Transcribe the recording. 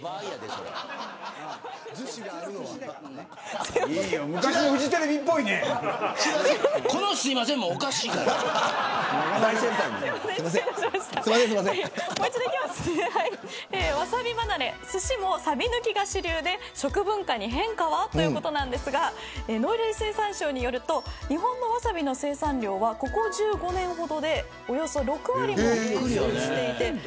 すしもサビ抜きが主流で食文化に変化はということですが農林水産省によると日本のワサビの生産量はここ１５年ほどでおよそ６割も減少しています。